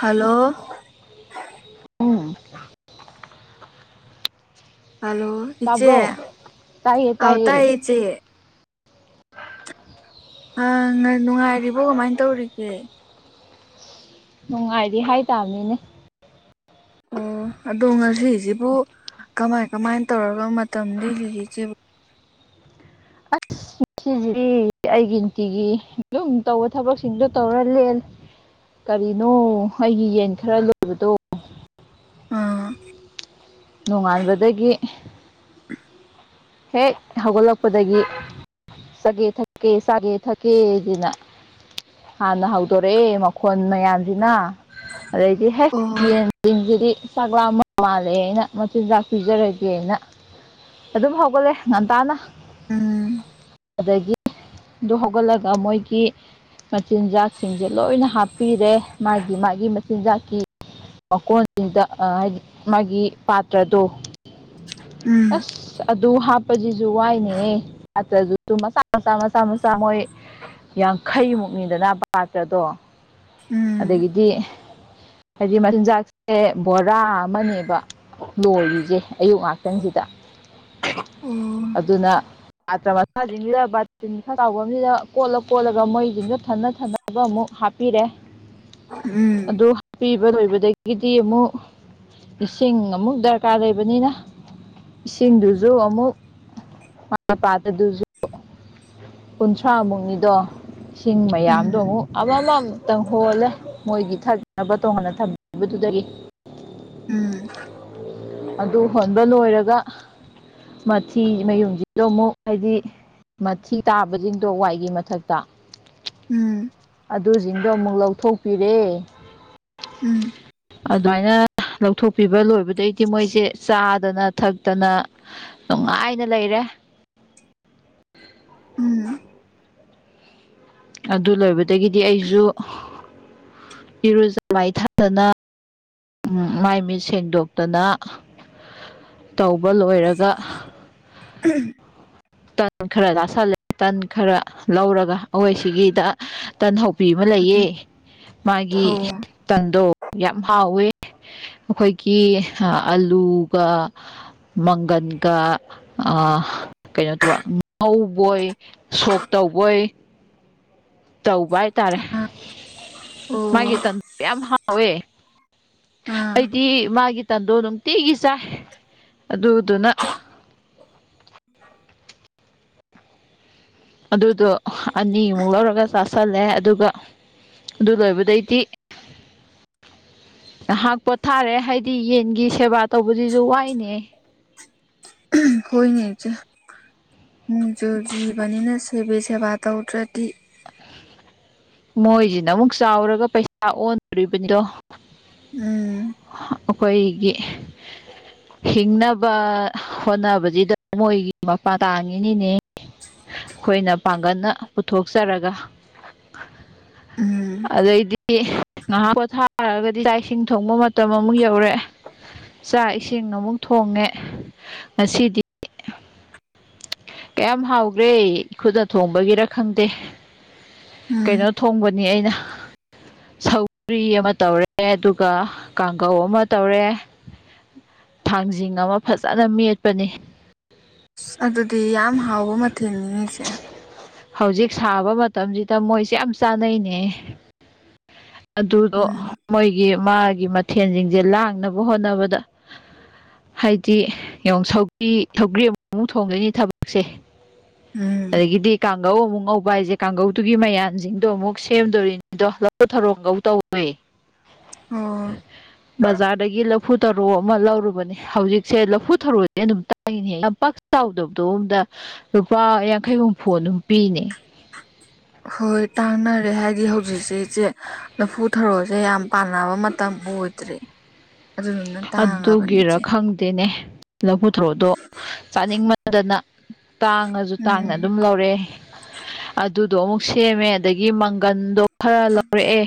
hello ꯎꯝ hello ꯏꯆꯦ ꯇꯥꯕ꯭ꯔꯣ ꯑꯥꯎ ꯇꯥꯏꯌꯦ ꯏꯆꯦ ꯑꯥ ꯅꫭꯏ ꯅꯨꯡꯉꯥꯏꯔꯤꯕꯣ ꯀꯃꯥꯏꯅ ꯇꯧꯔꯤꯒꯦ ꯅꯨꯡꯉꯥꯏꯔꯤ ꯍꯥꯏꯇꯥꯝꯅꯤꯅꯦ ꯑꯣ ꯑꯗꯣ ꯉꯁꯤꯁꯤꯕꯨ ꯀꯃꯥꯏ ꯀꯃꯥꯏ ꯇꯧꯔꯒ ꯃꯇꯝ ꯂꯦꯜꯂꯤꯒꯦ ꯏꯆꯦꯕꯨ ꯑꯁ ꯁꯤꯁꯤꯗꯤ ꯑꯩꯒꯤ ꯅꯨꯡꯇꯤꯒꯤ ꯑꯗꯨꯝ ꯇꯧꯕ ꯊꯕꯛꯁꯤꯡꯗꯣ ꯇꯧꯔ ꯂꯦꯜꯂ ꯀꯔꯤꯅꯣ ꯑꯩꯒꯤ ꯌꯦꯟ ꯈ꯭ꯔ ꯂꯣꯏꯕꯗꯣ ꯑꯥ ꯅꯣꯉꯥꯟꯕꯗꯒꯤ ꯍꯦꯛ ꯍꯧꯒꯠꯂꯛꯄꯗꯒꯤ ꯆꯥꯒꯦ ꯊꯛꯀꯦ ꯆꯥꯒꯦ ꯊꯛꯀꯦꯖꯤꯅ ꯍꯥꯟꯅ ꯍꯧꯗꯣꯔꯛꯑꯦ ꯃꯈꯣꯟ ꯃꯌꯥꯝꯁꯤꯅ ꯑꯗꯩꯗꯤ ꯍꯦ ꯑꯣ ꯌꯦꯟꯁꯤꯡꯁꯤꯗꯤ ꯆꯥꯛ ꯂꯥꯝꯃ ꯂꯥꯜꯂꯦ ꯍꯥꯏꯅ ꯃꯆꯤꯟꯖꯥꯛ ꯄꯤꯖꯔꯒꯦ ꯍꯥꯏꯅ ꯑꯗꯨꯝ ꯍꯧꯒꯠꯂꯦ ꯉꯟꯇꯥꯅ ꯎꯝ ꯑꯗꯒꯤ ꯑꯗꯨ ꯍꯧꯒꯠꯂꯒ ꯃꯣꯏꯒꯤ ꯃꯆꯤꯟꯖꯥꯛꯁꯤꯡꯁꯦ ꯂꯣꯏꯅ ꯍꯥꯞꯄꯤꯔꯦ ꯃꯥꯒꯤ ꯃꯥꯒꯤ ꯃꯆꯤꯟꯖꯥꯛꯀꯤ ꯑꯣꯀꯣꯟ ꯆꯤꯟ [unintelligible] ꯑꯥ ꯍꯥꯏꯗꯤ ꯃꯥꯒꯤ ꯄꯥꯇ꯭ꯔꯗꯣ ꯎꯝ ꯑꯁ ꯑꯗꯨ ꯍꯥꯞꯄꯁꯤꯁꯨ ꯋꯥꯏꯅꯦꯍꯦ ꯄꯥꯠꯇ꯭ꯔꯥꯗꯨꯁꯨ ꯃꯆꯥ ꯃꯆꯥ ꯃꯆꯥ ꯃꯆꯥ ꯃꯣꯏ ꯌꯥꯡꯈꯩꯃꯨꯛꯅꯤꯗꯅ ꯄꯥꯠꯇ꯭ꯔꯗꯣ ꯎꯝ ꯑꯗꯒꯤꯗꯤ ꯍꯥꯏꯗꯤ ꯃꯆꯤꯟꯖꯥꯛꯁꯦ ꯕꯣꯔꯥ ꯑꯃꯅꯦꯕ ꯂꯣꯏꯔꯤꯖꯦ ꯑꯌꯨꯛ ꯉꯍꯥꯛꯇꯪꯁꯤꯗ ꯑꯣ ꯑꯗꯨꯅ ꯁꯥꯇ꯭ꯔ ꯃꯁꯥꯁꯤꯡꯁꯤꯗ ꯕꯥꯇꯤꯟ ꯈ꯭ꯔ ꯆꯥꯎꯕꯝꯁꯤꯗ ꯀꯣꯠꯂ ꯀꯣꯠꯂꯒ ꯃꫭꯏ ꯁꯤꯡꯗꯨ ꯊꯟꯅ ꯊꯟꯅ ꯇꯕꯛ ꯑꯃꯨꯛ ꯍꯥꯞꯄꯤꯔꯦ ꯎꯝ ꯑꯗꯨ ꯍꯤꯕ ꯂꯣꯏꯕꯗꯒꯤꯗꯤ ꯑꯃꯨꯛ ꯏꯁꯤꯡ ꯑꯃꯨꯛ ꯗꯔꯀꯥꯔ ꯂꯩꯕꯅꯤꯅ ꯏꯁꯤꯡꯗꯨꯁꯨ ꯑꯃꯨꯛ ꯃꯥ ꯄꯥꯠꯇ꯭ꯔꯗꯨꯖꯨ ꯀꯨꯟꯊ꯭ꯔꯥ ꯃꯨꯛꯅꯤꯗꯣ ꯏꯁꯤꯡ ꯃꯌꯥꯝꯗꯣ ꯑꯃꯨꯛ ꯎꯝ ꯑꯃꯝ ꯑꯃꯝꯇꯪ ꯍꯣꯜꯂꯦ ꯃꯣꯏꯒꯤ ꯊꯛꯅꯕ ꯇꯣꯉꯥꯟꯅ ꯊꯝꯕꯗꯨꯗꯒꯤ ꯎꯝ ꯑꯗꯨ ꯍꯣꯟꯕ ꯂꯣꯏꯔꯒ ꯃꯊꯤ ꯃꯌꯨꯡꯁꯤꯗꫭ ꯑꯃꯨꯛ ꯍꯥꯏꯗꯤ ꯃꯊꯤ ꯇꯥꯕꯁꯤꯡꯗꯣ ꯋꯥꯏꯒꯤ ꯃꯊꯛꯇ ꯎꯝ ꯑꯗꯨꯁꯤꯡꯗꯣ ꯑꯃꯨꯛ ꯂꯧꯊꯣꯛꯄꯤꯔꯦ ꯎꯝ ꯑꯗꯨꯃꯥꯏꯅ ꯂꯧꯊꯣꯛꯄꯤꯕ ꯂꯣꯏꯕꯗꯩ ꯇꯤ ꯃꯣꯏꯁꯦ ꯆꯥꯗꯅ ꯊꯛꯇꯅ ꯅꯨꯡꯉꯥꯏꯅ ꯂꯩꯔꯦ ꯎꯝ ꯑꯗꯨ ꯂꯣꯏꯕꯗꯒꯤꯗꯤ ꯑꯩꯁꯨ ꯏꯔꯨꯖ ꯃꯥꯏ ꯊꯥꯗꯅ ꯃꯥꯏ ꯃꯤꯠ ꯁꯦꯡꯗꯣꯛꯇꯅ ꯇꯧꯕ ꯂꯣꯏꯔꯒ ꯎꯝ [unintelligible] ꯇꯟ ꯈꯔ ꯆꯥꯁꯜꯂꯦ ꯇꯟ ꯈꯔ ꯂꯧꯔꯒ ꯑꯩꯈꯣꯏꯁꯤꯒꯤꯗ ꯇꯟꯍꯧꯕꯤ ꯑꯃ ꯂꯩꯌꯦ ꯃꯥꯒꯤ ꯑꯣ ꯇꯟꯗꯣ ꯌꯥꯝ ꯍꯥꯎꯋꯦ ꯑꯩꯈꯣꯏꯒꯤ ꯑꯂꯨꯒ ꯃꯪꯒꯟꯒ ꯑꯥ ꯇꯨꯑ ꯉꯧꯕꯣꯏ ꯁꯣꯛ ꯇꯧꯕꯣꯏ ꯇꯧꯕ ꯍꯥꯏꯇꯥꯔꯦ ꯑꯣ ꯃꯥꯒꯤ ꯇꯟꯗꫭ ꯌꯥꯝ ꯍꯥꯎꯋꯦ ꯑꯥ ꯑꯩꯗꯤ ꯃꯥꯒꯤ ꯇꯟꯗꯣ ꯅꯨꯡꯇꯤꯒꯤ ꯆꯥꯏ ꯑꯗꯨꯗꯨꯅ ꯑꯗꯨꯗꯣ ꯑꯅꯤꯃꯨꯛ ꯂꯧꯔꯒ ꯆꯥꯥꯁꯜꯂꯦ ꯑꯗꯨꯒ ꯑꯗꯨ ꯂꯣꯏꯕꯗꯩꯗꯤ ꯉꯥꯏꯍꯥꯛ ꯄꯣꯊꯥꯔꯦ ꯍꯥꯏꯗꯤ ꯌꯦꯟꯒꯤ ꯁꯦꯕꯥ ꯇꯧꯕꯁꯤꯁꯨ ꯋꯥꯏꯅꯦ ꯍꯣꯏꯅꯦ ꯏꯆꯦ ꯅꯣꯡꯖꯨ ꯖꯤꯕꯅꯤꯅ ꯁꯦꯕꯤ ꯁꯦꯕꯥ ꯇꯧꯗ꯭ꯔꯗꯤ ꯃꯣꯏꯁꯤꯅ ꯑꯃꯨꯛ ꯆꯥꯎꯔꯒ ꯄꯩꯁꯥ ꯑꯣꯟꯗꯣꯔꯤꯕꯅꯤꯗꯣ ꯎꯝ ꯑꯩꯈꯣꯏꯒꯤ ꯍꯤꯡꯅꯕ ꯍꯣꯠꯅꯕꯁꯤꯗ ꯃꯣꯏꯒꯤ ꯃꯄꯥꯟ ꯇꯥꯡꯉꯤꯅꯤꯅꯦ ꯑꯩꯈꯣꯏꯅ ꯄꯥꯡꯒꯜꯅ ꯄꯨꯊꯣꯛꯆꯔꯒ ꯎꯝ ꯑꯗꯩꯗꯤ ꯉꯥꯏꯍꯥꯛ ꯄꯣꯊꯥꯔꯒꯗꯤ ꯆꯥꯛ ꯏꯁꯤꯡ ꯊꯣꯡꯕ ꯃꯇꯝ ꯑꯃꯨꯛ ꯌꯧꯔꯑꯦ ꯆꯥꯛ ꯏꯁꯤꯡ ꯑꯃꯨꯛ ꯊꯣꯡꯉꯦ ꯉꯁꯤꯗꯤ ꯀꯌꯥꯝ ꯍꯥꯎꯒ꯭ꯔꯦ ꯈꯨꯠꯅ ꯊꯣꯡꯕꯒꯤꯔ ꯈꯪꯗꯦ ꯎꯝ ꯀꯩꯅꯣ ꯊꯣꯡꯕ ꯑꯩꯅ ꯁꯧꯒ꯭ꯔꯤ ꯑꯃ ꯇꯧꯔꯦ ꯑꯗꯨꯒ ꯀꯥꯡꯒꯧ ꯑꯃ ꯇꯧꯔꯦ ꯊꯥꯡꯖꯤꯡ ꯑꯃ ꯐꯖꯅ ꯃꯦꯠꯄꯅꯤ ꯑ ꯑꯗꯨꯗꯤ ꯌꯥꯝ ꯍꯥꯎꯕ ꯃꯊꯦꯜꯅꯤꯅꯦ ꯏꯆꯦ ꯍꯧꯖꯤꯛ ꯁꯥꯕ ꯃꯇꯝꯁꯤꯗ ꯃꯣꯏꯁꯦ ꯌꯥꯝ ꯆꯥꯅꯩꯅꯦ ꯑꯗꯨꯗꯣ ꯎꯝ ꯃꯣꯏꯒꯤ ꯃꯥꯒꯤ ꯃꯊꯦꯜꯁꯤꯡꯁꯦ ꯂꯥꯡꯅꯕ ꯍꯣꯠꯅꯕꯗ ꯍꯥꯏꯗꯤ ꯌꯦꯡ ꯁꯔꯤ ꯁꯧꯒ꯭ꯔꯤ ꯑꯃꯨꯛ ꯊꯣꯡꯗꯣꯏꯅꯤ ꯊꯕꯛꯁꯦ ꯎꯝ ꯑꯗꯒꯤꯗꯤ ꯀꯥꯡꯒꯧ ꯑꯃꯨꯛ ꯉꯧ [unintelligible] ꯀꯥꯡꯒꯧꯗꯨꯒꯤ ꯃꯌꯥꯟꯁꯤꯡꯗꯣ ꯑꯃꯨꯛ ꯁꯦꯝꯗꯣꯔꯤꯅꯤꯗꯣ ꯂꯥꯐꯨ ꯊꯔꯣ ꯉꯧꯇꯧ ꯑꯣ [inaudible] ꯕꯖꯥꯔꯗꯒꯤ ꯂꯐꯨ ꯊꯔꯣ ꯑꯃ ꯂꯧꯔꯨꯕꯅꯤ ꯍꯧꯖꯤꯛꯁꯦ ꯂꯐꯨ ꯊꯔꯣꯗꯤ ꯑꯗꯨꯝ ꯌꯥꯝ ꯄꯥꯛ ꯆꯥꯎꯗꯕꯗꯨꯗ ꯂꯨꯄꯥ ꯌꯥꯡꯈꯩ ꯍꯨꯝꯐꯨ ꯑꯗꯨꯝ ꯄꯤꯅꯦ ꯍꯣꯏ ꯇꯥꯡꯅꯔꯦ ꯍꯥꯏꯗꯤ ꯍꯧꯖꯤꯛꯁꯦ ꯏꯆꯦ ꯂꯐꯨ ꯊꯔꯣꯁꯦ ꯌꯥꯝ ꯄꯥꯟꯅꯕ ꯃꯇꯝ ꯑꯣꯏꯦ [inaudible] ꯑꯗꯨꯒꯤꯔ ꯈꯪꯗꯦꯅꯦ ꯂꯐꯨ ꯊꯔꯣꯗꯣ ꯆꯥꯅꯤꯡꯕꯗꯅ ꯇꯥꯡꯉꯁꯨ ꯇꯥꯡꯅ ꯎꯝ ꯑꯗꯨꯝ ꯂꯧꯔꯦ ꯑꯗꯨꯗꯣ ꯑꯃꯨꯛ ꯁꯦꯝꯃꯦ ꯑꯗꯒꯤ ꯃꯪꯒꯟꯗꯣ ꯈꯔ ꯂꯧꯔꯛꯑꯦ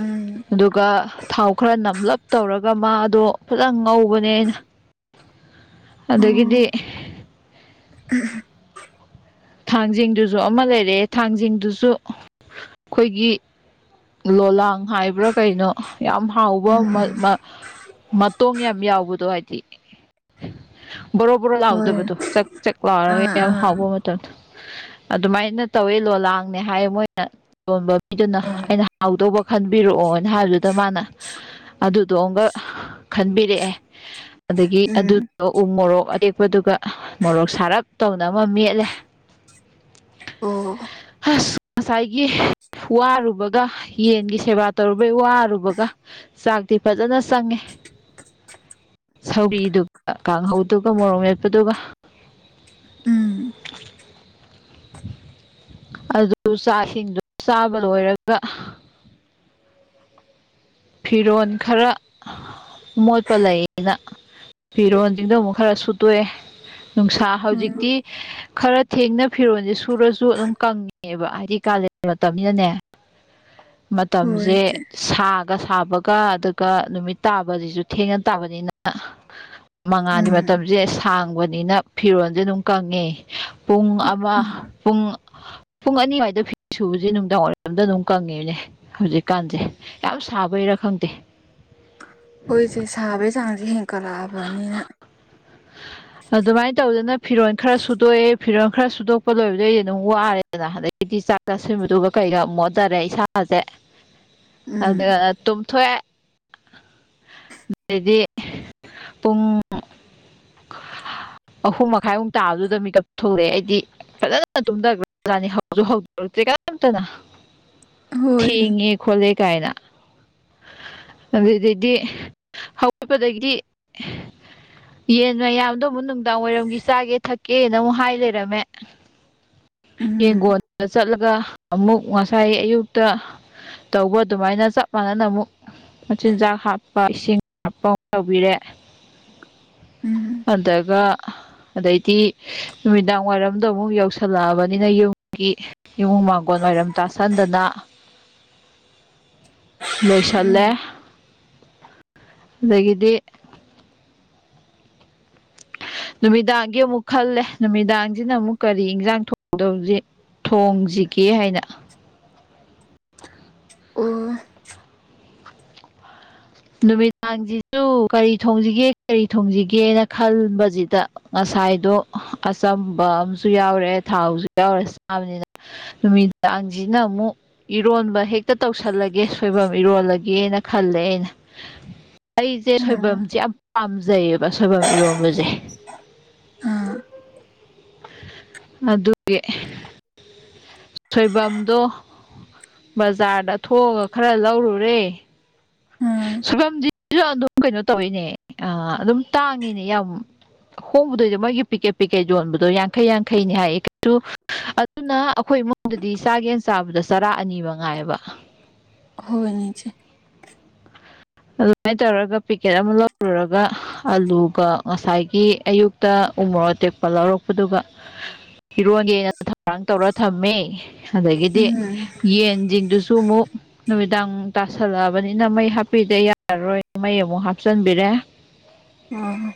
ꯎꯝ ꯑꯗꯨꯒ ꯊꯥꯎ ꯈꯔ ꯅꯝꯂꯞ ꯇꯧꯔꯒ ꯃꯥꯗꯣ ꯐꯖꯅ ꯉꯧꯕꯅꯦ ꯑꯩꯅ ꯑꯗꯒꯤꯗꯤ ꯑꯣ [unintelligible] ꯊꯥꯡꯖꯤꯡꯗꯨꯁꯨ ꯑꯃ ꯂꯩꯔꯛꯑꯦ ꯊꯥꯡꯖꯤꯡꯗꯨꯁꯨ ꯑꯩꯈꯣꯏꯒꯤ ꯂꯣꯂꯥꯡ ꯍꯥꯏꯕ꯭ꯔꯥ ꯀꯩꯅꯣ ꯌꯥꯝ ꯍꯥꯎꯕ ꯎꯝ [unintelligible] ꯃꯇꯣꯡ ꯌꯥꯝ ꯌꯥꯎꯕꯗꯣ ꯍꯥꯏꯗꯤ ꯕꯣꯔꯣ ꯕꯣꯔꯣ ꯍꯣꯏ ꯂꯥꯎꯗꯕꯗꯣ ꯆꯛ ꯆꯛ ꯂꯥꯎꯔꯒ ꯑꯥ ꯌꯥꯝ ꯑꯥ ꯍꯥꯎꯕ ꯃꯇꯝꯗ‌ꯣ ꯑꯗꯨꯃꯥꯏꯅ ꯇꯧꯋꯦ ꯂꯣꯂꯥꯡꯅꯦ ꯍꯥꯏꯌꯦ ꯃꯣꯏꯅ ꯌꯣꯟꯕ ꯃꯤꯗꯨꯅ ꯎꯝ ꯑꯩꯅ ꯍꯥꯎꯗꯧꯕ ꯈꯟꯕꯤꯔꯛꯑꯣꯅ ꯍꯥꯏꯕꯗꯨꯗ ꯃꯥꯅ ꯑꯗꯨꯗꯣ ꯑꯃꯒ ꯈꯟꯕꯤꯔꯛꯑꯦ ꯑꯗꯒꯤ ꯎꯝ ꯑꯗꯨꯗ‌ꯣ ꯎꯃꯣꯔꯣꯛ ꯑꯇꯦꯛꯄꯗꯨꯒ ꯃꯣꯔꯣꯛ ꯁꯥꯔꯞ ꯇꯧꯅ ꯑꯃ ꯃꯦꯠꯂꯦ ꯑꯣ ꯑꯁ ꯉꯁꯥꯏꯒꯤ ꯋꯥꯔꯨꯕꯒ ꯌꯦꯟꯒꯤ ꯁꯦꯕꯥ ꯇꯧꯔꯨꯕꯩ ꯋꯥꯔꯨꯕꯒ ꯆꯥꯛꯇꯤ ꯐꯖꯅ ꯆꯪꯉꯦ ꯁꯧꯒ꯭ꯔꯤꯗꯨꯒ ꯀꯥꯡꯍꯧꯗꯨꯒ ꯃꯣꯔꯣꯛ ꯃꯦꯠꯄꯗꯨꯒ ꯎꯝ ꯑꯗꯨ ꯆꯥꯛꯁꯤꯡꯗꯨ ꯆꯥꯕ ꯂꯣꯏꯔꯒ ꯐꯤꯔꯣꯜ ꯈꯔ ꯃꯣꯠꯄ ꯂꯩꯌꯦꯅ ꯐꯤꯔꯣꯟꯁꯤꯡꯗꯣ ꯑꯃꯨꯛ ꯈꯔ ꯁꯨꯠꯗꯣꯛꯑꯦ ꯅꯨꯡꯁꯥ ꯎꯝ ꯍꯧꯖꯤꯛꯀꯤ ꯈꯔ ꯊꯦꯡꯅ ꯐꯤꯔꯣꯟꯁꯦ ꯁꯨꯔꯁꯨ ꯑꯗꯨꯝ ꯀꯪꯉꯦꯕ ꯍꯥꯏꯗꯤ ꯀꯥꯂꯦꯟ ꯃꯇꯝꯅꯤꯅꯅꯦ ꯍꯣꯏ ꯃꯇꯝꯁꯦ ꯏꯆꯦ ꯁꯥꯡ ꯁꯥꯒ ꯁꯥꯕꯒ ꯑꯗꯨꯒ ꯅꯨꯃꯤꯠ ꯇꯥꯕꯁꯤꯁꯨ ꯊꯦꯡꯅ ꯇꯥꯕꯅꯤꯅ ꯃꯉꯥꯜꯒꯤ ꯎꯝ ꯃꯇꯝꯁꯦ ꯁꯥꯡꯕꯅꯤꯅ ꯐꯤꯔꯣꯜꯁꯦ ꯑꯗꯨꯝ ꯀꯪꯉꯦ ꯄꯨꯡ ꯑꯃ ꯄꯨꯡ ꯄꯨꯡ ꯑꯅꯤ ꯑꯗꯨꯋꯥꯏꯗ ꯐꯤ ꯁꯨꯕꯁꯦ ꯅꯨꯡꯗꯥꯡ ꯋꯥꯏꯔꯝꯗ ꯑꯗꯨꯝ ꯀꯪꯉꯦꯅꯦ ꯍꯧꯖꯤꯛꯀꯥꯟꯁꯦ ꯌꯥꯝ ꯁꯥꯕꯩꯔꯥ ꯈꯪꯗꯦ ꯑꯩꯈꯣꯏꯁꯦ ꯁꯥꯕꯒꯤ ꯆꯥꯡꯁꯦ ꯍꯦꯟꯀꯠꯂꯛꯑꯕꯅꯤꯅ [inaudible] ꯑꯗꯨꯃꯥꯏꯅ ꯇꯧꯗꯅ ꯐꯤꯔꯣꯜ ꯈꯔ ꯁꯨꯗꯣꯛꯑꯦ ꯐꯤꯔꯣꯜ ꯈꯔ ꯁꯨꯗꯣꯛꯄ ꯂꯣꯏ‌‌ꯕꯗꯩ ꯑꯩꯥꯩ ꯑꯗꯨꯝ ꯋꯥꯔꯦ ꯑꯗꯨꯅ ꯑꯗꯒꯤꯗꯤ ꯆꯥꯛ ꯆꯥꯁꯤꯟꯕꯗꯨꯒ ꯀꯩꯒ ꯃꯣꯟꯊꯔꯦ ꯏꯁꯥꯁꯦ ꯎꯝ ꯑꯗꯨꯅ ꯇꯨꯝꯊꯣꯛꯑꯦ ꯑꯗꯒꯤ ꯄꯨꯡ ꯑꯍꯨꯝ ꯃꯈꯥꯏꯃꯨꯛ ꯇꯥꯕꯗꯨꯗ ꯃꯦꯀꯞ ꯊꯣꯛꯂꯛꯑꯦ ꯑꯩꯗꯤ ꯐꯖꯅ ꯇꯨꯝꯊꯈꯔ ꯖꯥꯠꯅ‌ꯦ ꯍꯧꯁꯨ ꯍꯧꯗ‌ꯣꯔꯛꯇꯔ‌ꯦ ꯀꯅꯥꯝꯇꯅ ꯍꯣꯏꯅꯦ ꯊꯦꯡꯉꯦ ꯈꯣꯠꯂꯦ ꯀꯥꯏꯅ ꯑꯗꯨꯗꯩꯗꯤ ꯍꯧꯒꯠꯄꯗꯒꯤꯗꯤ [inaudible] ꯌꯦꯟ ꯃꯌꯥꯝꯗꯣ ꯑꯃꯨꯛ ꯅꯨꯡꯗꯥꯡ ꯋꯥꯏꯔꯝꯒꯤ ꯆꯥꯒꯦ ꯊꯛꯀꯦꯅ ꯑꯃꯨꯛ ꯍꯥꯏ ꯂꯩꯔꯝꯃꯦ ꯎꯝ ꯌꯦꯡꯒꯣꯟꯗ ꯆꯠꯂꯒ ꯑꯃꯨꯛ ꯉꯁꯥꯏ ꯑꯌꯨꯛꯇ ꯇꯧꯕ ꯑꯗꯨꯃꯥꯏꯅ ꯆꯞ ꯃꯥꯟꯅꯅ ꯑꯃꯨꯛ ꯃꯆꯤꯟꯖꯥꯛ ꯍꯥꯞꯄ ꯏꯁꯤꯡ ꯍꯥꯞꯄ ꯑꯃꯨꯛ ꯇꯧꯕꯤꯔꯦ ꯎꯝ ꯑꯗꯒ ꯑꯗꯩꯗꯤ ꯅꯨꯃꯤꯗꯥꯡ ꯋꯥꯏꯔꯝꯗꯣ ꯑꯃꯨꯛ ꯌꯧꯁꯜꯂꯛꯑꯕꯅꯤꯅ ꯌꯨꯝꯒꯤ ꯏꯃꯨꯡ ꯃꯥꯡꯒꯣꯜ ꯋꯥꯏꯔꯝ ꯇꯥꯁꯟꯗꯅ ꯂꯣꯏꯁꯜꯂꯦ ꯎꯝ ꯑꯗꯒꯤꯗꯤ ꯅꯨꯃꯤꯗꯥꯡꯒꯤ ꯑꯃꯨꯛ ꯈꯜꯂꯦ ꯅꯨꯃꯤꯗꯥꯡꯁꯤꯅ ꯑꯃꯨꯛ ꯀꯔꯤ ꯏꯟꯁꯥꯡ ꯊꯣꯡꯗꯧꯁꯤ ꯊꯣꯡꯁꯤꯒꯦ ꯍꯥꯏꯅ ꯑꯣ ꯅꯨꯃꯤꯗꯥꯡꯁꯤꯁꯨ ꯀꯔꯤ ꯊꯣꯡꯁꯤꯒꯦ ꯀꯔꯤ ꯊꯣꯡꯁꯤꯒꯦꯅ ꯈꯟꯕꯁꯤꯗ ꯉꯁꯥꯏꯗꯣ ꯑꯆꯝꯕ ꯑꯃꯁꯨ ꯌꯥꯎꯔꯦ ꯊꯥꯎꯁꯨ ꯌꯥꯎꯔꯦ ꯆꯥꯕꯅꯤꯅ ꯅꯨꯃꯤꯗꯥꯡꯁꯤꯅ ꯑꯃꯨꯛ ꯏꯔꯣꯟꯕ ꯍꯦꯛꯇ ꯇꯧꯁꯜꯂꯒꯦ ꯁꯣꯏꯕꯨꯝ ꯏꯔꯣꯜꯂꯒꯦꯅ ꯈꯜꯂꯦ ꯑꯩꯅ ꯑꯩꯁꯦ ꯎꯝ ꯁꯣꯏꯕꯨꯝꯁꯦ ꯌꯥꯝ ꯄꯥꯝꯖꯩꯌꯦꯕ ꯁꯣꯏꯕꯨꯝ ꯏꯔꯣꯟꯕꯁꯦ ꯑꯥ ꯑꯗꯨꯒꯤ ꯁꯣꯏꯕꯨꯝꯗꯣ ꯕꯖꯥꯔꯗ ꯊꯣꯛꯑꯒ ꯈꯔ ꯂꯧꯔꯨꯔꯦ ꯎꯝ ꯁꯣꯏꯕꯨꯝꯁꯤꯁꯨ ꯑꯗꯨꯝ ꯀꯩꯅꯣ ꯇꯧꯏꯅꯦ ꯑ ꯑꯗꯨꯝ ꯇꯥꯡꯉꯤꯅꯦ ꯌꯥꯝ ꯍꯣꯡꯕꯗꯣꯏ ꯃꯣꯏꯒꯤ ꯄꯤꯛꯀꯦꯠ ꯄꯤꯛꯀꯦꯠ ꯌꯣꯟꯕꯗꯣ ꯌꯥꯡꯈꯩ ꯌꯥꯡꯈꯩꯅꯤ ꯍꯥꯏꯌꯦ ꯀꯩꯁꯨ ꯑꯗꯨꯅ ꯑꯩꯈꯣꯏ ꯏꯃꯨꯡꯗꯗꯤ ꯆꯥꯒꯦꯅ ꯆꯥꯕꯗ ꯆꯔꯥ ꯑꯅꯤ ꯃꯉꯥꯏꯑꯕ ꯍꯣꯏꯅꯦ ꯏꯆꯦ ꯑꯗꯨꯃꯥꯏꯅ ꯇꯧꯔꯒ ꯄꯦꯛꯀꯦꯠ ꯑꯃ ꯂꯧꯔꯨꯔꯒ ꯑꯂꯨꯒ ꯉꯁꯥꯏꯒꯤ ꯑꯌꯨꯛꯇ ꯎꯃꯣꯔꯣꯛ ꯑꯇꯦꯛꯄ ꯂꯧꯔꯛꯄꯗꯨꯒ ꯏꯔꯣꯟꯒꯦꯅ ꯊꯧꯔꯥꯡ ꯇꯧꯔ ꯊꯝꯃꯦ ꯑꯗꯒꯤꯗꯤ ꯎꯝ ꯌꯦꯟꯁꯤꯡꯗꯨꯁꯨ ꯑꯃꯨꯛ ꯅꯨꯃꯤꯗꯥꯡ ꯇꯥꯁꯜꯂꯛꯑꯕꯅꯤꯅ ꯃꯩ ꯍꯥꯞ ꯍꯥꯞꯄꯤꯗ ꯌꯥꯔꯔꯣꯏꯅ ꯃꯩ ꯑꯃꯨꯛ ꯍꯥꯞꯆꯤꯟꯕꯤꯔꯦ ꯑꯣ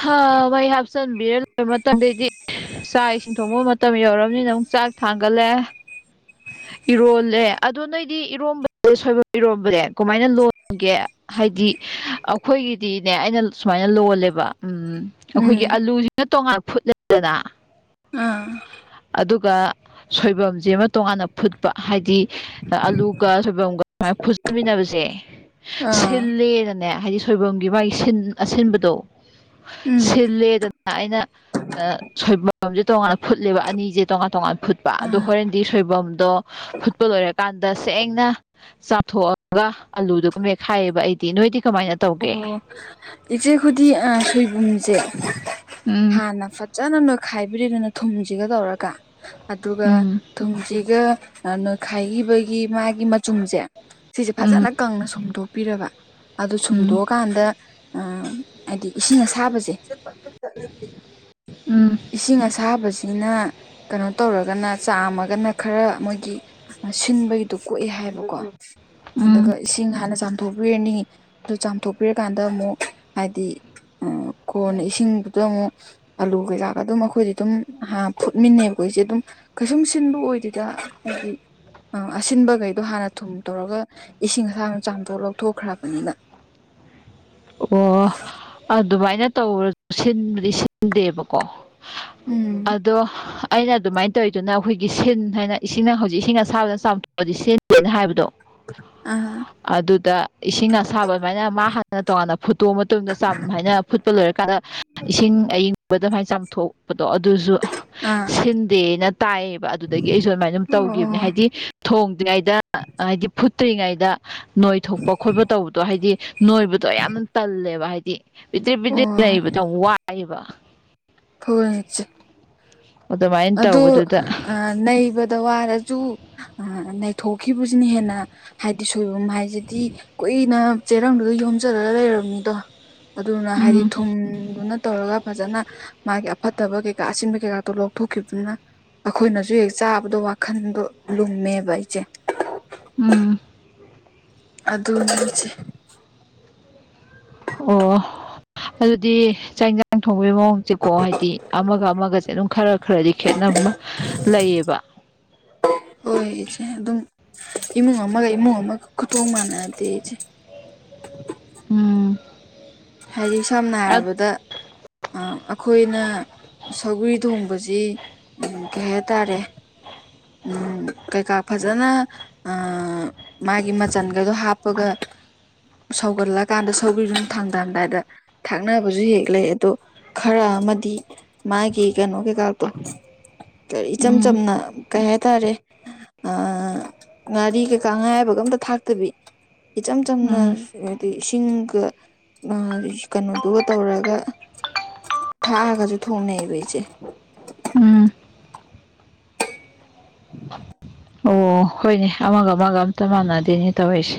ꯍꯥ ꯃꯩ ꯍꯥꯞꯆꯤꯟꯕꯤꯔꯦ ꯂꯣꯏꯕ ꯃꯇꯝꯗꯗꯤ ꯆꯥꯛ ꯏꯁꯤꯡ ꯊꯣꯡꯕ ꯃꯇꯝ ꯌꯧꯔꯕꯅꯤꯅ ꯑꯃꯨꯛ ꯆꯥꯛ ꯊꯥꯡꯒꯠꯂꯦ ꯏꯔꯣꯜꯂꯦ ꯑꯗꯣ ꯅꯣꯏꯗꯤ ꯏꯔꯣꯝꯕ ꯁꯣꯏꯕꯨꯝ ꯏꯔꯣꯝꯕꯁꯦ ꯀꯃꯥꯏꯅ ꯂꯣꯟꯒꯦ ꯍꯥꯏꯗꯤ ꯑꯩꯈꯣꯏꯒꯤꯗꯤꯅꯦ ꯑꯩꯅ ꯁꯨꯃꯥꯏꯅ ꯂꯣꯜꯂꯦꯕ ꯑꯩꯈꯣꯏꯒꯤ ꯎꯝ ꯑꯂꯨ ꯖꯤꯅ ꯇꯣꯉꯥꯟ ꯐꯨꯠꯂꯦꯗꯅ ꯑꯥ ꯑꯗꯨꯒ ꯁꯣꯏꯕꯨꯝꯁꯤꯃ ꯇꯣꯉꯥꯟꯅ ꯐꯨꯠꯄ ꯍꯥꯏꯗꯤ ꯑꯂꯨꯒ ꯁꯣꯏꯕꯨꯝꯒ ꯁꯨꯃꯥꯏꯅ ꯐꯨꯠꯆꯤꯟꯃꯤꯟꯅꯕꯁꯦ ꯑꯥ ꯁꯤꯜꯂꯦꯅꯅꯦ ꯍꯥꯏꯗꯤ ꯁꯣꯏꯕꯨꯝꯒꯤ ꯃꯥꯒꯤ ꯑꯁꯤꯟꯕꯗꯣ ꯎꯝ ꯁꯤꯜꯂꯦꯗꯅ ꯑꯩꯅ ꯁꯣꯏꯕꯨꯝꯁꯦ ꯇꯣꯉꯥꯟꯅ ꯐꯨꯠꯂꯦꯕ ꯑꯅꯤꯁꯦ ꯇꯣꯉꯥꯟ ꯇꯣꯉꯥꯟ ꯐꯨꯠꯄ ꯑꯗꯣ ꯑꯥ ꯍꯣꯔꯦꯟꯗꯤ ꯁꯣꯏꯕꯨꯝ ꯗꯣ ꯐꯨꯠꯄ ꯂꯣꯏꯔꯀꯥꯟꯗ ꯁꯦꯡꯅ ꯆꯝꯊꯣꯛꯑꯒ ꯑꯂꯨꯗꯨꯒ ꯃꯦꯠꯈꯥꯏꯌꯦꯕ ꯑꯩꯗꯤ ꯅꯣꯏꯗꯤ ꯀꯃꯥꯏꯅ ꯇꯧꯒꯦ ꯑꯣ ꯏꯆꯦ ꯑꯩꯈꯣꯏꯗꯤ ꯁꯣꯏꯕꯨꯝꯁꯦ ꯎꯝ ꯍꯥꯟꯅ ꯐ ꯐꯖꯅ ꯅꯣꯏꯈꯥꯏꯕꯤꯔꯦꯗꯅ ꯊꯨꯝꯁꯤꯒ ꯇꯧꯔꯒ ꯑꯗꯨꯒ ꯎꯝ ꯊꯨꯝꯁꯤꯒ ꯅꯣꯏꯈꯥꯏꯈꯤꯕꯒꯤ ꯃꯥꯒꯤ ꯃꯆꯨꯝꯁꯦ ꯁꯤꯁꯦ ꯎꯝ ꯐꯖꯅ ꯀꯪꯅ ꯁꯨꯝꯗꯣꯛ ꯄꯤꯔꯕ ꯑꯗꯨ ꯁꯨꯝ ꯎꯝ ꯇꯣꯛꯑꯀꯥꯟꯗ ꯍꯥꯏꯗꯤ ꯏꯁꯤꯡ ꯑꯁꯥꯕꯁꯦ ꯎꯝ ꯏꯁꯤꯡ ꯑꯁꯥꯕꯁꯤꯅ ꯀꯩꯅꯣ ꯇꯧꯔꯒꯅ ꯆꯥꯝꯃꯒꯅ ꯈꯔ ꯃꯣꯏꯒꯤ ꯑꯁꯤꯟꯕꯒꯤꯗꯣ ꯀꯣꯛꯑꯦ ꯍꯥꯏꯕꯀꯣ ꯎꯝ ꯑꯗꯨꯒ ꯏꯁꯤꯡ ꯍꯥꯟꯅ ꯆꯥꯝꯊꯣꯛꯄꯤꯔꯅꯤ ꯑꯗꯨ ꯆꯥꯝꯊꯣꯛꯄꯤꯔꯀꯥꯟꯗ ꯑꯃꯨꯛ ꯍꯥꯏꯗꯤ ꯀꯣꯟꯅ ꯏꯁꯤꯡꯗꯨꯗ ꯑꯃꯨꯛ ꯑꯂꯨ ꯀꯩꯀꯥꯒ ꯑꯗꯨꯝ ꯑꯩꯈꯣꯏꯗꯤ ꯑꯗꯨꯝ ꯐꯨꯠꯃꯤꯟꯅꯩꯕ ꯑꯩꯈꯣꯏ ꯏꯆꯦ ꯑꯗꯨꯝ ꯀꯩꯁꯨꯝ ꯁꯤꯟꯕ ꯑꯣꯏꯗꯦꯗ ꯍꯥꯏꯗꯤ ꯑꯪ ꯑꯁꯤꯟꯕꯈꯩꯗꯣ ꯍꯥꯟꯅ ꯊꯨꯝ ꯇꯧꯔꯒ ꯏꯁꯤꯡ ꯑꯁꯥꯕꯗ ꯆꯥꯝꯊꯣꯛꯑ ꯂꯧꯊꯣꯛꯈ꯭ꯔꯕꯅꯤꯅ ꯑꯣ ꯑꯗꯨꯃꯥꯏꯅ ꯇꯧꯕꯁꯨ ꯁꯤꯟꯕꯗꯤ ꯁꯤꯟꯗꯦꯕꯀꯣ ꯎꯝ ꯑꯗꯣ ꯑꯩꯅ ꯑꯗꯨꯃꯥꯏꯅ ꯇꯧꯔꯤꯗꯨꯅ ꯑꯩꯈꯣꯏꯒꯤ ꯁꯤꯟ ꯍꯥꯏꯅ ꯏꯁꯤꯡꯅ ꯍꯧꯖꯤꯛ ꯏꯁꯤꯡ ꯑꯁꯥꯕꯗ ꯆꯥꯝꯊꯣꯛꯑꯗꯤ ꯁꯤꯟꯗꯦꯅ ꯍꯥꯏꯕꯗꯣ ꯑ ꯑꯗꯨꯗ ꯏꯁꯤꯡ ꯑꯁꯥꯕ ꯑꯗꯨꯃꯥꯏꯅ ꯃꯥ ꯍꯥꯟꯅ ꯇꯣꯉꯥꯟꯅ ꯐꯨꯠꯇꯣꯛꯑ ꯃꯇꯨꯡꯗ ꯆꯥꯝ ꯍꯥꯏꯅ ꯐꯨꯠꯄ ꯂꯣꯏꯔꯀꯥꯟꯗ ꯏꯁꯤꯡ ꯑꯏꯤꯡꯕꯗ ꯑꯗꯨꯃꯥꯏꯅ ꯆꯥꯝꯊꯣꯛꯄꯗꯣ ꯑꯗꯨꯁꯨ ꯑꯥ ꯁꯤꯟꯗꯦꯅ ꯇꯥꯏꯌꯦꯕ ꯑꯗꯨꯗꯒꯤ ꯑꯩꯁꯨ ꯑꯗꯨꯃꯥꯏꯅ ꯑꯗꯨꯝ ꯇꯧꯈꯤꯕꯅꯦ ꯑꯣ ꯍꯥꯏꯗꯤ ꯊꯣꯡꯗ꯭ꯔꯤꯉꯩꯗ ꯍꯥꯏꯗꯤ ꯐꯨꯠꯇ꯭ꯔꯤꯉꯩꯗ ꯅꯣꯏ ꯊꯣꯛꯄ ꯈꯣꯠꯄ ꯇꯧꯕꯗꯣ ꯍꯥꯏꯗꯤ ꯅꯣꯏꯕꯗꯣ ꯌꯥꯝ ꯇꯜꯂꯦꯕ ꯍꯥꯏꯗꯤ ꯄꯤꯗꯤꯛ ꯄꯤꯗꯤꯛ ꯑꯣ ꯅꯩꯕꯗꯣ ꯋꯥꯏꯑꯦꯕ ꯑꯣꯏ ꯑꯗꯨꯃꯥꯏꯅ ꯑꯗꯨ ꯇꯧꯕꯗꯨꯗ ꯅꯩꯕꯗ ꯋꯥꯔꯁꯨ ꯅꯩꯊꯣꯛꯈꯤꯕꯁꯤꯅ ꯍꯦꯟꯅ ꯍꯥꯏꯗꯤ ꯁꯣꯏꯕꯨꯝ ꯍꯥꯏꯁꯤꯗꯤ ꯀꯨꯏꯅ ꯆꯦꯔꯪꯗꯨꯗ ꯌꯣꯝꯖꯔꯒ ꯂꯩꯔꯕꯅꯤꯗꯣ ꯑꯗꯨꯅ ꯍꯥꯏꯗꯤ ꯎꯝ ꯊꯨꯝꯗꯨꯅ ꯇꯧꯔꯒ ꯐꯖꯅ ꯃꯥꯒꯤ ꯑꯐꯠꯇꯕ ꯀꯩꯀꯥ ꯑꯁꯤꯟꯕ ꯀꯩꯀꯥ ꯇꯣꯂꯧ ꯊꯣꯛꯈꯤꯕꯗꯨꯅ ꯑꯩꯈꯣꯏꯅꯁꯨ ꯍꯦꯛ ꯆꯥꯕꯗ ꯋꯥꯈꯟꯗꯣ ꯂꯨꯝꯃꯦꯕ ꯑꯩꯁꯦ ꯎꯝ ꯑꯗꯨ ꯂꯣꯏꯁꯦ ꯑꯣ ꯑꯗꯨꯗꯤ ꯆꯥꯛꯁꯥꯡ ꯊꯣꯡꯕꯒꯤ ꯃꯑꯣꯡꯁꯦꯀꯣ ꯍꯥꯏꯗꯤ ꯑꯃꯒ ꯑꯃꯒꯁꯦ ꯑꯗꯨꯝ ꯈꯔ ꯈꯔꯗꯤ ꯈꯦꯠꯅꯕ ꯂꯩꯌꯦꯕ ꯍꯣꯏ ꯏꯆꯦ ꯑꯗꯨꯝ ꯏꯃꯨꯡ ꯑꯃꯒ ꯏꯃꯨꯡ ꯑꯃꯒ ꯈꯨꯇꯣꯡ ꯃꯥꯟꯅꯗꯦ ꯏꯆꯦ [inaudible] ꯎꯝ ꯍꯥꯏꯗꯤ ꯁꯝꯅ ꯍꯥꯏꯔꯕꯗ ꯑꯩꯈꯣꯏꯅ ꯁꯧꯒ꯭ꯔꯤ ꯊꯣꯡꯕꯁꯤ ꯀꯩ ꯍꯥꯏꯇꯥꯔꯦ ꯀꯩꯀꯥ ꯐꯖꯅ ꯑꯥ ꯃꯥꯒꯤ ꯃꯆꯟꯒꯗꯣ ꯍꯥꯞꯄꯒ ꯁꯧꯒꯠꯂꯀꯥꯟꯗ ꯁꯧꯔꯤꯕꯗꯨꯝ ꯊꯥꯡ ꯄꯝꯗꯥꯏꯗ ꯊꯛꯅꯕꯁꯨ ꯍꯦꯛ ꯂꯩ ꯑꯗꯣ ꯈꯔ ꯑꯃꯗꯤ ꯃꯥꯒꯤ ꯀꯩꯅꯣ ꯀꯩꯀꯥꯗꯣꯀꯩ ꯏꯆꯝ ꯎꯝ ꯆꯝꯅ ꯀꯩ ꯍꯥꯏꯇꯥꯔꯦ ꯑ ꯉꯥꯔꯤ ꯀꯩꯀꯥ ꯉꯥꯌꯥꯏꯕꯒ ꯑꯝꯇ ꯊꯥꯛꯇꯕꯤ ꯏꯆꯝ ꯆꯝꯅ ꯎꯝ ꯍꯥꯏꯗꯤ ꯏꯁꯤꯡꯒ ꯅꯍꯥꯟ ꯀꯩꯅꯣꯗꯨꯒ ꯇꯧꯔꯒ ꯊꯥꯛꯑꯒꯁꯨ ꯊꯣꯡꯅꯩꯑꯕ ꯏꯆꯦ ꯎꯝ ꯑꯣ ꯑꯣ ꯍꯣꯏꯅꯦ ꯑꯃꯒ ꯑꯃꯒ ꯑꯝꯇ ꯃꯥꯟꯅꯗꯦꯅꯦ ꯇꯧꯔꯤꯁꯦ